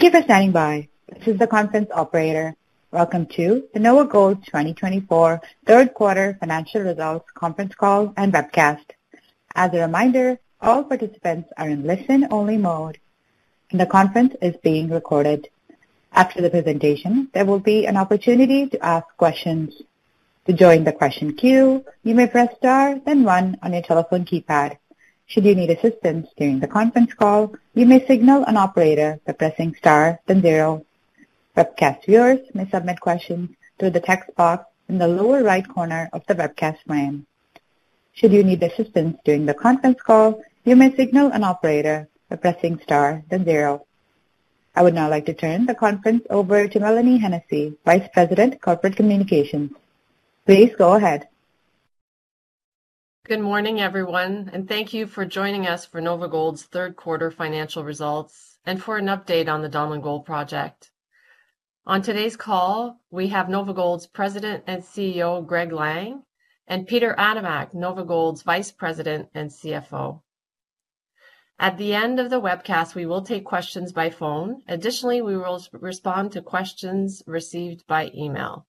Thank you for standing by. This is the conference operator. Welcome to the NovaGold twenty twenty-four third quarter financial results conference call and webcast. As a reminder, all participants are in listen-only mode, and the conference is being recorded. After the presentation, there will be an opportunity to ask questions. To join the question queue, you may press star, then one on your telephone keypad. Should you need assistance during the conference call, you may signal an operator by pressing star, then zero. Webcast viewers may submit questions through the text box in the lower right corner of the webcast frame. Should you need assistance during the conference call, you may signal an operator by pressing star, then zero. I would now like to turn the conference over to Melanie Hennessey, Vice President, Corporate Communications. Please go ahead. Good morning, everyone, and thank you for joining us for NovaGold's third quarter financial results and for an update on the Donlin Gold project. On today's call, we have NovaGold's President and CEO, Greg Lang, and Peter Adamek, NovaGold's Vice President and CFO. At the end of the webcast, we will take questions by phone. Additionally, we will respond to questions received by email.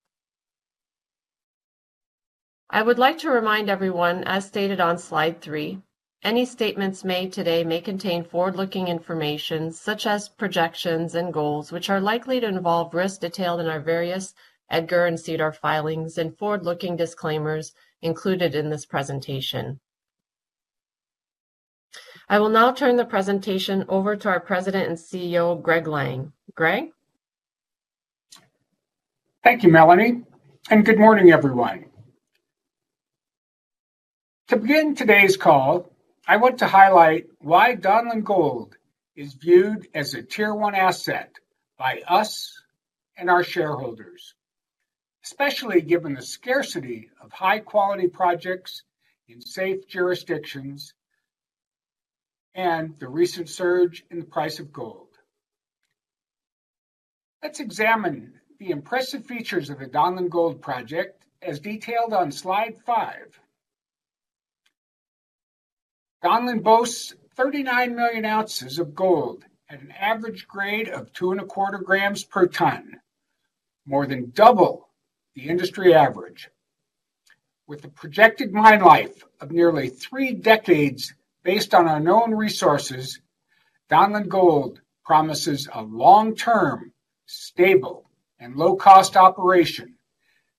I would like to remind everyone, as stated on slide three, any statements made today may contain forward-looking information, such as projections and goals, which are likely to involve risks detailed in our various EDGAR and SEDAR filings and forward-looking disclaimers included in this presentation. I will now turn the presentation over to our President and CEO, Greg Lang. Greg? Thank you, Melanie, and good morning, everyone. To begin today's call, I want to highlight why Donlin Gold is viewed as a Tier 1 asset by us and our shareholders, especially given the scarcity of high-quality projects in safe jurisdictions and the recent surge in the price of gold. Let's examine the impressive features of the Donlin Gold project, as detailed on slide five. Donlin boasts 39 million ounces of gold at an average grade of 2.25 grams per ton, more than double the industry average. With the projected mine life of nearly three decades based on our known resources, Donlin Gold promises a long-term, stable, and low-cost operation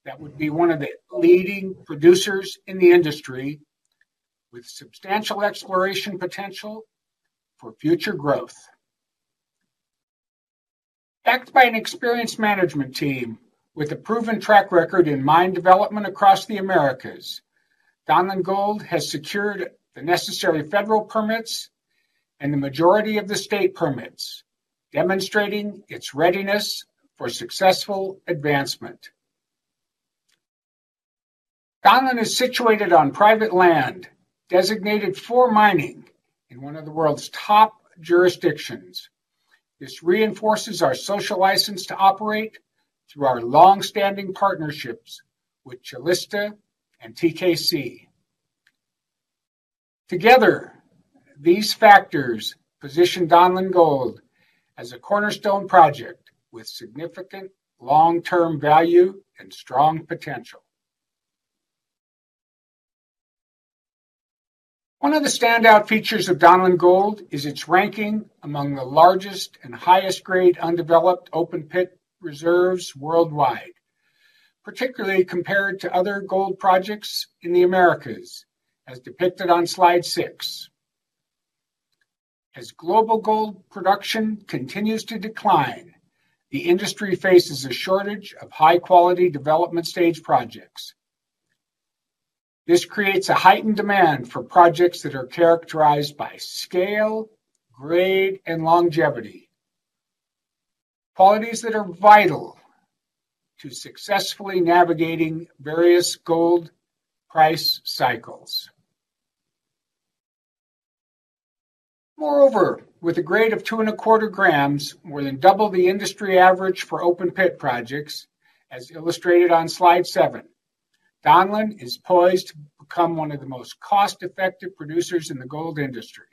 that would be one of the leading producers in the industry, with substantial exploration potential for future growth. Backed by an experienced management team with a proven track record in mine development across the Americas, Donlin Gold has secured the necessary federal permits and the majority of the state permits, demonstrating its readiness for successful advancement. Donlin is situated on private land, designated for mining in one of the world's top jurisdictions. This reinforces our social license to operate through our long-standing partnerships with Calista and TKC. Together, these factors position Donlin Gold as a cornerstone project with significant long-term value and strong potential. One of the standout features of Donlin Gold is its ranking among the largest and highest grade undeveloped open-pit reserves worldwide, particularly compared to other gold projects in the Americas, as depicted on slide six. As global gold production continues to decline, the industry faces a shortage of high-quality development stage projects. This creates a heightened demand for projects that are characterized by scale, grade, and longevity, qualities that are vital to successfully navigating various gold price cycles. Moreover, with a grade of two and a quarter grams, more than double the industry average for open-pit projects, as illustrated on slide seven, Donlin is poised to become one of the most cost-effective producers in the gold industry.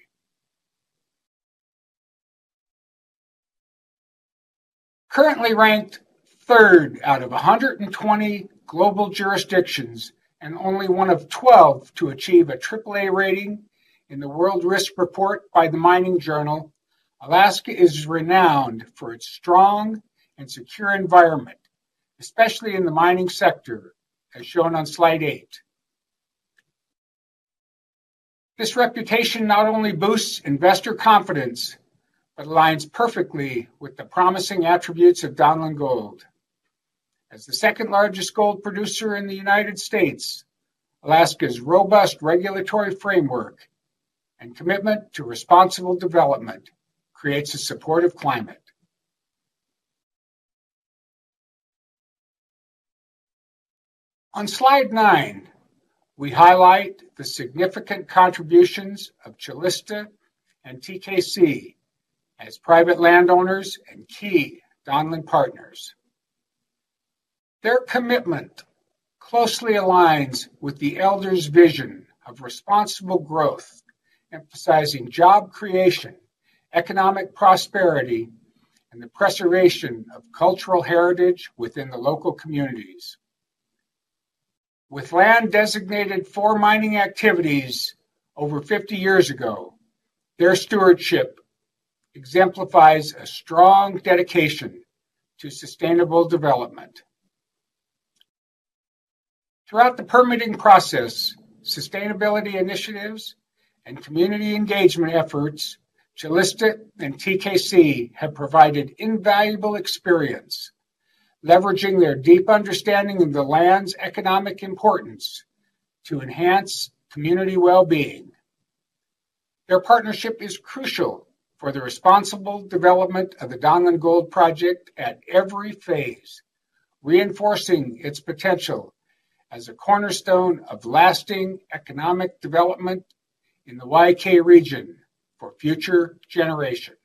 Currently ranked third out of 120 global jurisdictions and only one of 12 to achieve a triple A rating in the World Risk Report by the Mining Journal, Alaska is renowned for its strong and secure environment, especially in the mining sector, as shown on slide eight. This reputation not only boosts investor confidence but aligns perfectly with the promising attributes of Donlin Gold. As the second-largest gold producer in the United States, Alaska's robust regulatory framework and commitment to responsible development creates a supportive climate. On slide nine, we highlight the significant contributions of Calista and TKC as private landowners and key Donlin partners. Their commitment closely aligns with the elders' vision of responsible growth, emphasizing job creation, economic prosperity, and the preservation of cultural heritage within the local communities. With land designated for mining activities over 50 years ago, their stewardship exemplifies a strong dedication to sustainable development. Throughout the permitting process, sustainability initiatives, and community engagement efforts, Calista and TKC have provided invaluable experience, leveraging their deep understanding of the land's economic importance to enhance community well-being. Their partnership is crucial for the responsible development of the Donlin Gold project at every phase, reinforcing its potential as a cornerstone of lasting economic development in the YK region for future generations.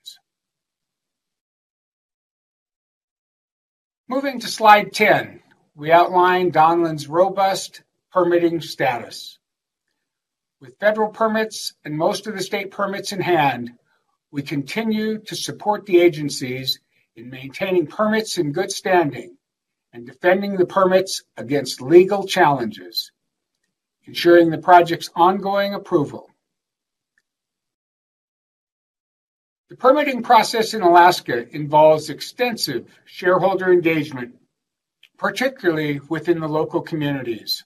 Moving to slide 10, we outline Donlin's robust permitting status. With federal permits and most of the state permits in hand, we continue to support the agencies in maintaining permits in good standing and defending the permits against legal challenges, ensuring the project's ongoing approval. The permitting process in Alaska involves extensive shareholder engagement, particularly within the local communities.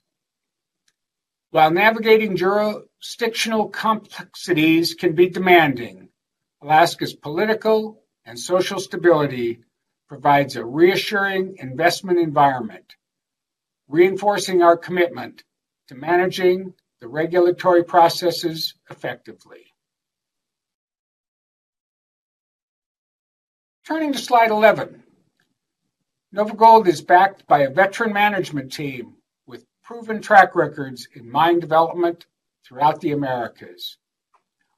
While navigating jurisdictional complexities can be demanding, Alaska's political and social stability provides a reassuring investment environment, reinforcing our commitment to managing the regulatory processes effectively. Turning to slide 11, NovaGold is backed by a veteran management team with proven track records in mine development throughout the Americas.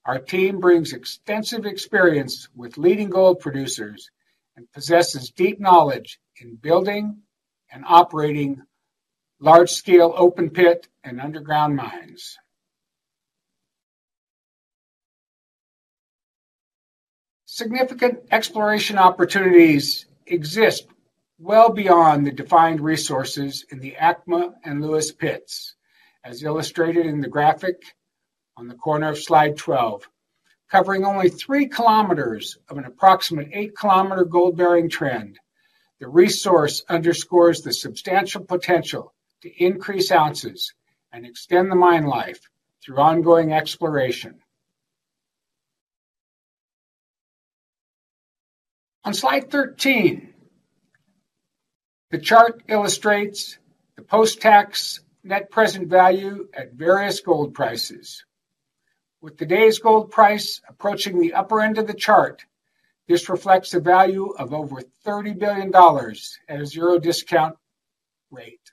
Our team brings extensive experience with leading gold producers and possesses deep knowledge in building and operating large-scale open pit and underground mines. Significant exploration opportunities exist well beyond the defined resources in the ACMA and Lewis pits, as illustrated in the graphic on the corner of slide 12. Covering only three kilometers of an approximate eight-kilometer gold-bearing trend, the resource underscores the substantial potential to increase ounces and extend the mine life through ongoing exploration. On slide 13, the chart illustrates the post-tax net present value at various gold prices. With today's gold price approaching the upper end of the chart, this reflects a value of over $30 billion at a 0% discount rate,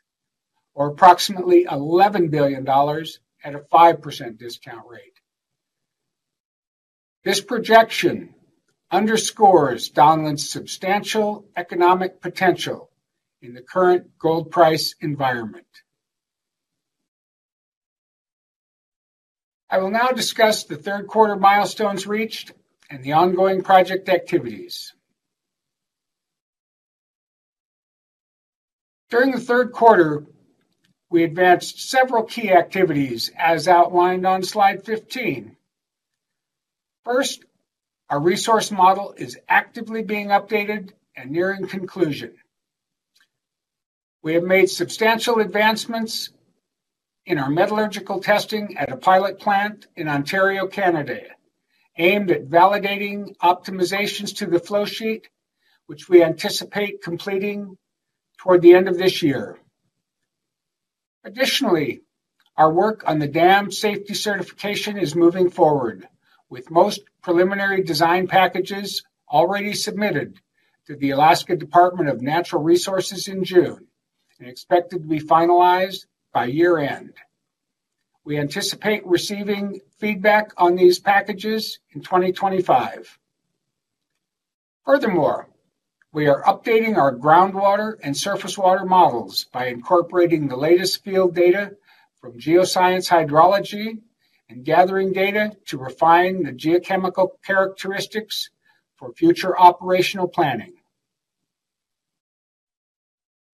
or approximately $11 billion at a 5% discount rate. This projection underscores Donlin's substantial economic potential in the current gold price environment. I will now discuss the third quarter milestones reached and the ongoing project activities. During the third quarter, we advanced several key activities, as outlined on slide 15. First, our resource model is actively being updated and nearing conclusion. We have made substantial advancements in our metallurgical testing at a pilot plant in Ontario, Canada, aimed at validating optimizations to the flow sheet, which we anticipate completing toward the end of this year. Additionally, our work on the dam safety certification is moving forward, with most preliminary design packages already submitted to the Alaska Department of Natural Resources in June and expected to be finalized by year-end. We anticipate receiving feedback on these packages in twenty twenty-five. Furthermore, we are updating our groundwater and surface water models by incorporating the latest field data from geoscience, hydrology and gathering data to refine the geochemical characteristics for future operational planning.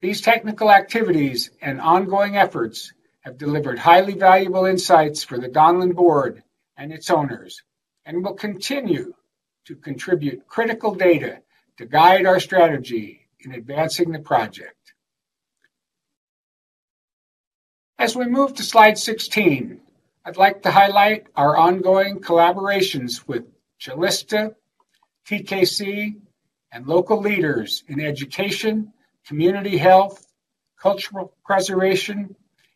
These technical activities and ongoing efforts have delivered highly valuable insights for the Donlin board and its owners and will continue to contribute critical data to guide our strategy in advancing the project. As we move to slide 16, I'd like to highlight our ongoing collaborations with Calista, TKC, and local leaders in education, community health, cultural preservation,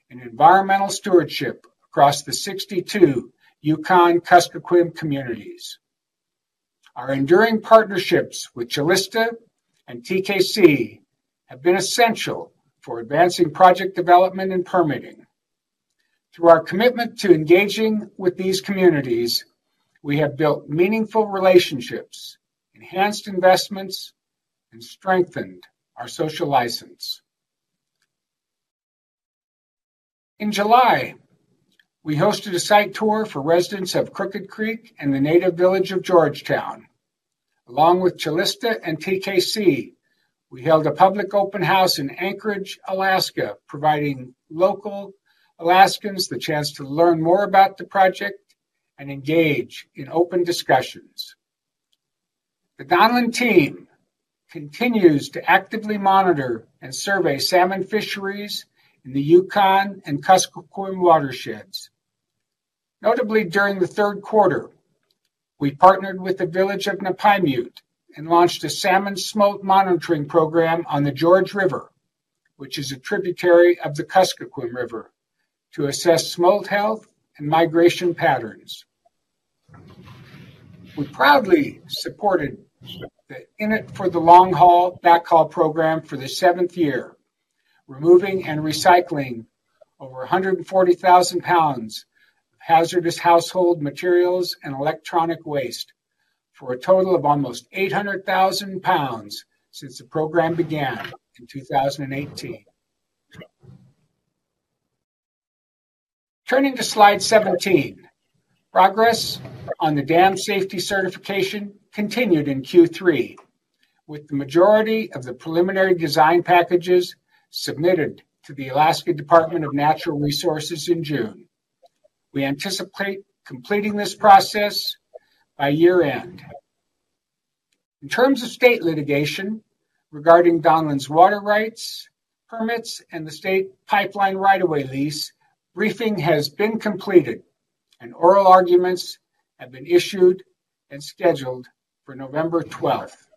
and environmental stewardship across the sixty-two Yukon-Kuskokwim communities. Our enduring partnerships with Calista and TKC have been essential for advancing project development and permitting. Through our commitment to engaging with these communities, we have built meaningful relationships, enhanced investments, and strengthened our social license. In July, we hosted a site tour for residents of Crooked Creek and the native village of Georgetown. Along with Calista and TKC, we held a public open house in Anchorage, Alaska, providing local Alaskans the chance to learn more about the project and engage in open discussions. The Donlin team continues to actively monitor and survey salmon fisheries in the Yukon and Kuskokwim watersheds. Notably, during the third quarter, we partnered with the village of Napaimute and launched a salmon smolt monitoring program on the George River, which is a tributary of the Kuskokwim River, to assess smolt health and migration patterns. We proudly supported the In It For the Long Haul backhaul program for the seventh year, removing and recycling over 140,000 lbs of hazardous household materials and electronic waste, for a total of almost 800,000 lbs since the program began in 2018. Turning to slide 17, progress on the dam safety certification continued in Q3, with the majority of the preliminary design packages submitted to the Alaska Department of Natural Resources in June. We anticipate completing this process by year-end. In terms of state litigation regarding Donlin's water rights, permits, and the state pipeline right-of-way lease, briefing has been completed, and oral arguments have been issued and scheduled for November twelfth.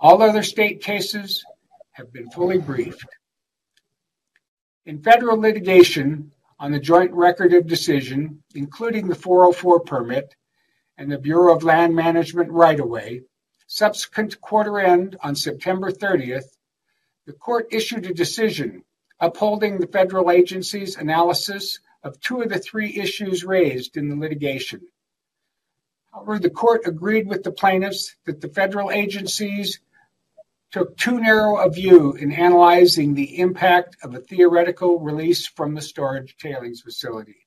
All other state cases have been fully briefed. In federal litigation on the Joint Record of Decision, including the 404 permit and the Bureau of Land Management right-of-way, subsequent to quarter end on September thirtieth, the court issued a decision upholding the federal agency's analysis of two of the three issues raised in the litigation. However, the court agreed with the plaintiffs that the federal agencies took too narrow a view in analyzing the impact of a theoretical release from the tailings storage facility.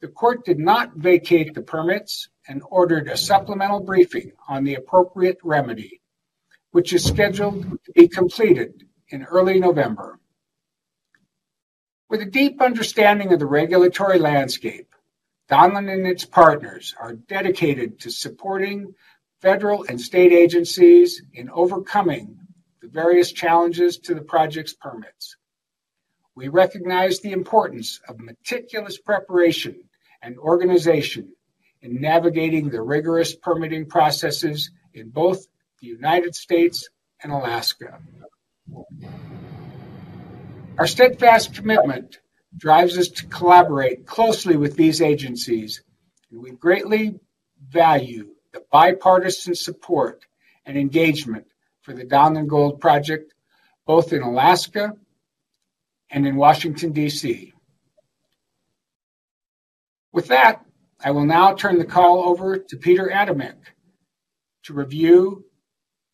The court did not vacate the permits and ordered a supplemental briefing on the appropriate remedy, which is scheduled to be completed in early November. With a deep understanding of the regulatory landscape, Donlin and its partners are dedicated to supporting federal and state agencies in overcoming the various challenges to the project's permits. We recognize the importance of meticulous preparation and organization in navigating the rigorous permitting processes in both the United States and Alaska. Our steadfast commitment drives us to collaborate closely with these agencies, and we greatly value the bipartisan support and engagement for the Donlin Gold project, both in Alaska and in Washington, D.C. With that, I will now turn the call over to Peter Adamek to review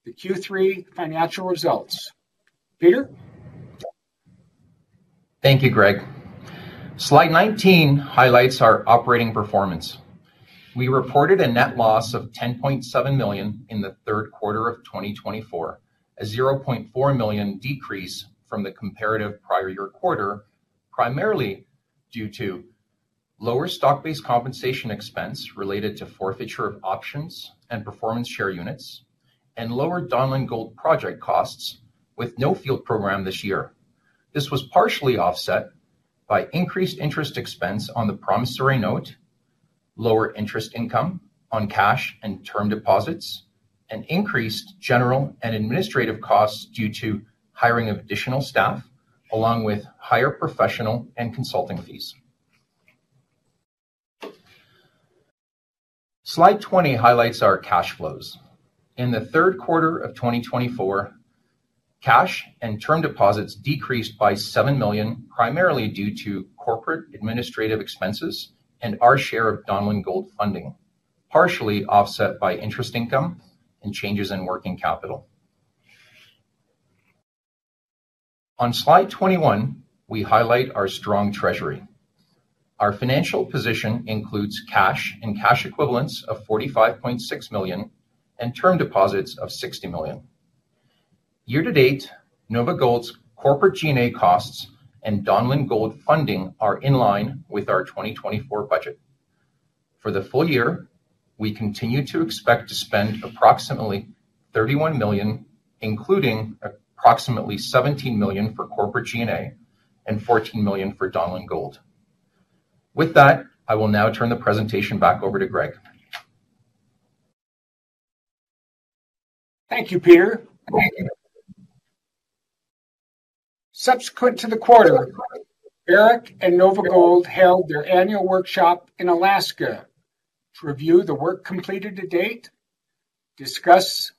the Q3 financial results. Peter? Thank you, Greg. Slide 19 highlights our operating performance. We reported a net loss of $10.7 million in the third quarter of 2024, a $0.4 million decrease from the comparative prior year quarter, primarily due to lower stock-based compensation expense related to forfeiture of options and performance share units, and lower Donlin Gold project costs with no field program this year. This was partially offset by increased interest expense on the promissory note, lower interest income on cash and term deposits, and increased general and administrative costs due to hiring of additional staff, along with higher professional and consulting fees. Slide 20 highlights our cash flows. In the third quarter of 2024, cash and term deposits decreased by $7 million, primarily due to corporate administrative expenses and our share of Donlin Gold funding, partially offset by interest income and changes in working capital. On slide 21, we highlight our strong treasury. Our financial position includes cash and cash equivalents of $45.6 million and term deposits of $60 million. Year to date, NovaGold's corporate G&A costs and Donlin Gold funding are in line with our 2024 budget. For the full year, we continue to expect to spend approximately $31 million, including approximately $17 million for corporate G&A and $14 million for Donlin Gold. With that, I will now turn the presentation back over to Greg. Thank you, Peter. Subsequent to the quarter, Barrick and NovaGold held their annual workshop in Alaska to review the work completed to date, discuss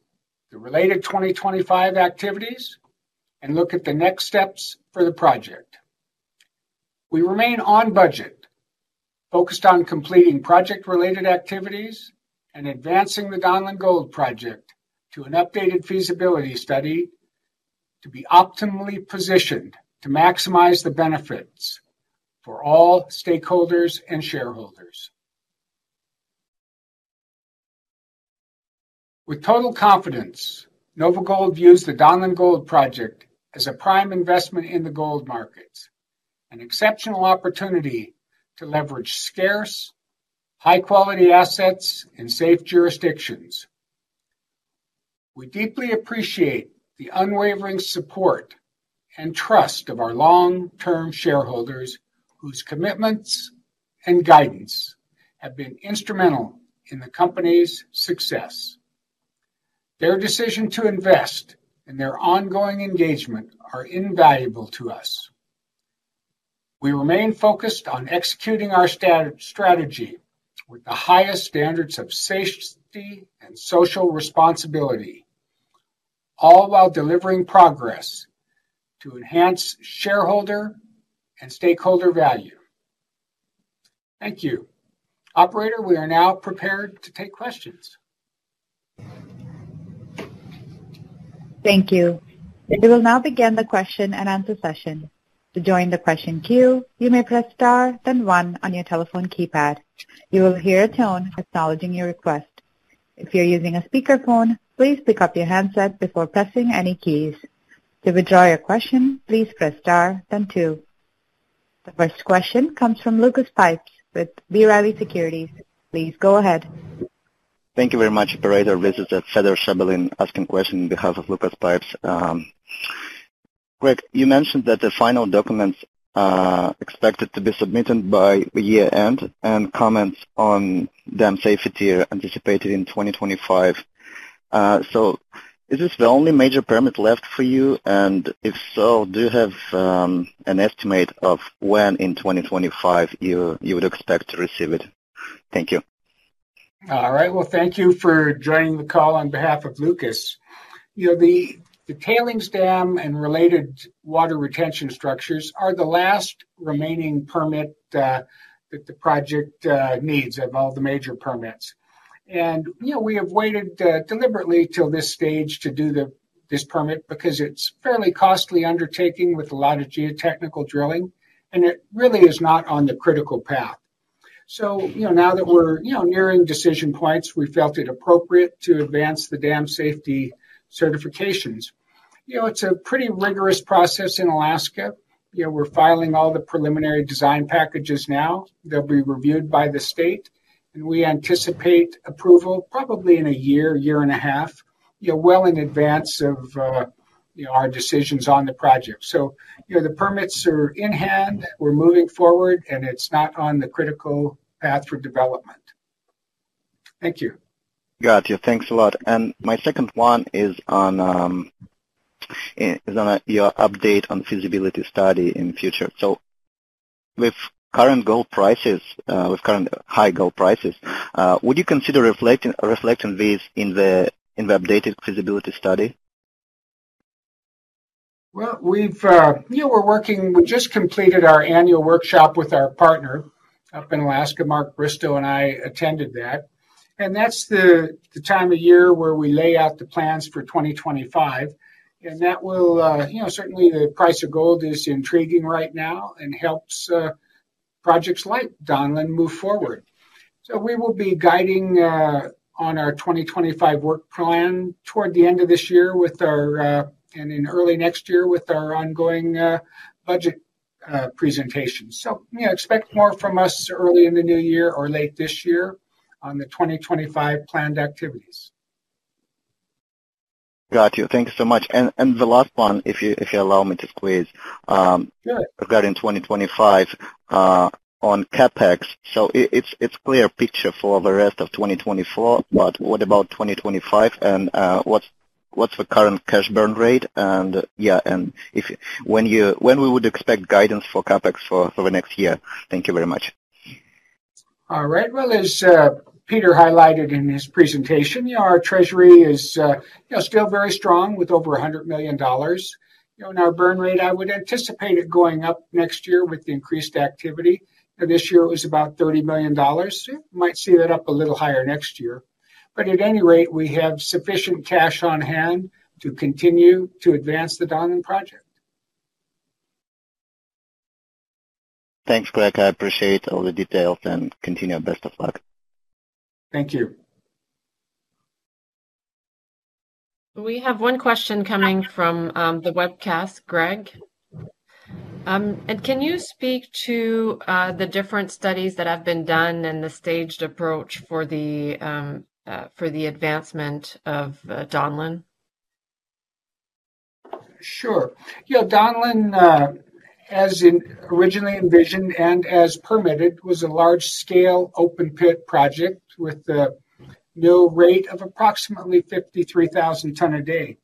the related 2025 activities, and look at the next steps for the project. We remain on budget, focused on completing project-related activities and advancing the Donlin Gold project to an updated feasibility study, to be optimally positioned to maximize the benefits for all stakeholders and shareholders. With total confidence, NovaGold views the Donlin Gold project as a prime investment in the gold market, an exceptional opportunity to leverage scarce, high-quality assets in safe jurisdictions. We deeply appreciate the unwavering support and trust of our long-term shareholders, whose commitments and guidance have been instrumental in the company's success. Their decision to invest and their ongoing engagement are invaluable to us. We remain focused on executing our strategy with the highest standards of safety and social responsibility, all while delivering progress to enhance shareholder and stakeholder value. Thank you. Operator, we are now prepared to take questions. Thank you. We will now begin the question and answer session. To join the question queue, you may press Star then one on your telephone keypad. You will hear a tone acknowledging your request. If you're using a speakerphone, please pick up your handset before pressing any keys. To withdraw your question, please press Star then two. The first question comes from Lucas Pipes with B. Riley Securities. Please go ahead. Thank you very much, operator. This is Fedor Shabalin asking question on behalf of Lucas Pipes. Greg, you mentioned that the final documents are expected to be submitted by the year-end, and comments on dam safety are anticipated in twenty twenty-five, so is this the only major permit left for you? And if so, do you have an estimate of when in twenty twenty-five you would expect to receive it? Thank you. All right. Well, thank you for joining the call on behalf of Lucas. You know, the tailings dam and related water retention structures are the last remaining permit that the project needs of all the major permits. You know, we have waited deliberately till this stage to do this permit because it's a fairly costly undertaking with a lot of geotechnical drilling, and it really is not on the critical path. So, you know, now that we're nearing decision points, we felt it appropriate to advance the dam safety certifications. You know, it's a pretty rigorous process in Alaska. You know, we're filing all the preliminary design packages now. They'll be reviewed by the state, and we anticipate approval probably in a year, year and a half, you know, well in advance of you know, our decisions on the project. So, you know, the permits are in hand, we're moving forward, and it's not on the critical path for development. Thank you. Got you. Thanks a lot. And my second one is on your update on feasibility study in the future. So with current gold prices, with current high gold prices, would you consider reflecting this in the updated feasibility study? We've, you know, we're working, we just completed our annual workshop with our partner up in Alaska. Mark Bristow and I attended that, and that's the time of year where we lay out the plans for twenty twenty-five, and that will. You know, certainly the price of gold is intriguing right now and helps projects like Donlin move forward. So we will be guiding on our twenty twenty-five work plan toward the end of this year with our and in early next year with our ongoing budget presentation. So, you know, expect more from us early in the new year or late this year on the twenty twenty-five planned activities. Got you. Thank you so much. And the last one, if you allow me to squeeze, Sure. Regarding twenty twenty-five on CapEx. So it's clear picture for the rest of twenty twenty-four, but what about twenty twenty-five, and what's the current cash burn rate, and yeah, and if when we would expect guidance for CapEx for the next year? Thank you very much. All right. Well, as Peter highlighted in his presentation, you know, our treasury is, you know, still very strong, with over $100 million. You know, and our burn rate, I would anticipate it going up next year with the increased activity. And this year it was about $30 million. You might see that up a little higher next year. But at any rate, we have sufficient cash on hand to continue to advance the Donlin project. Thanks, Greg. I appreciate all the details, and continue. Best of luck. Thank you. We have one question coming from the webcast, Greg. Can you speak to the different studies that have been done and the staged approach for the advancement of Donlin? Sure. You know, Donlin, as in originally envisioned and as permitted, was a large-scale open pit project with a mill rate of approximately 53,000 tons a day.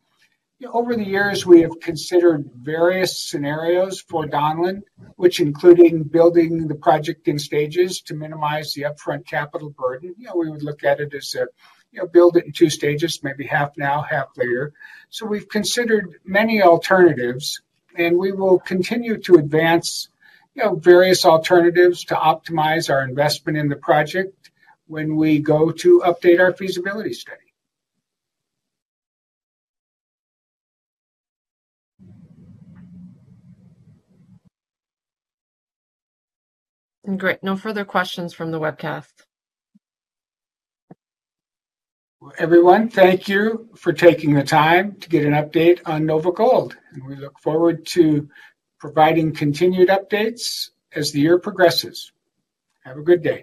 Over the years, we have considered various scenarios for Donlin, which including building the project in stages to minimize the upfront capital burden. You know, we would look at it as a, you know, build it in two stages, maybe half now, half later. So we've considered many alternatives, and we will continue to advance, you know, various alternatives to optimize our investment in the project when we go to update our feasibility study. Great. No further questions from the webcast. Everyone, thank you for taking the time to get an update on NovaGold, and we look forward to providing continued updates as the year progresses. Have a good day.